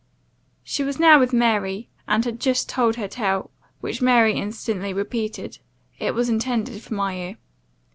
"She was now with Mary, and had just told her tale, which Mary instantly repeated it was intended for my ear.